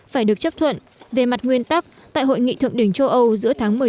phải được chấp thuận về mặt nguyên tắc tại hội nghị thượng đỉnh châu âu giữa tháng một mươi một